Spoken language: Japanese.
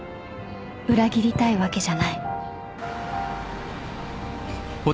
［裏切りたいわけじゃない］